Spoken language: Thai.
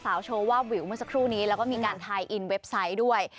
โชว์วาบวิวเมื่อสักครู่นี้แล้วก็มีการทายอินเว็บไซต์ด้วย